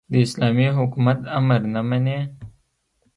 د اسلامي حکومت امر نه مني.